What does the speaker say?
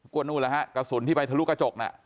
กระสุนที่ไปทะลุกระจกนะ